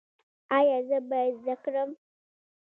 ایا زه باید زده کړم؟